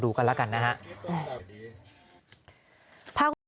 ดูกันละกันนะฮะ